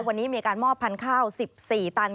วันนี้มีการมอบพันธุ์ข้าว๑๔ตัน